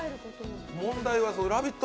問題は「ラヴィット！」